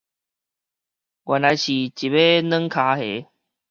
原來是一尾軟跤蝦